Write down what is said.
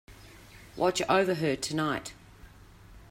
Watch over her tonight.